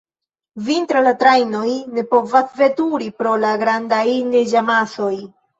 Vintre la trajnoj ne povas veturi pro la grandaj neĝamasoj.